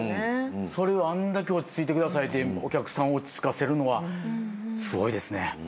それをあんだけ「落ち着いてください」ってお客さんを落ち着かせるのはすごいですね。